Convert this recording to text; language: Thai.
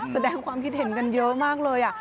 แสดงความคิดเห็นกันเยอะมากเลย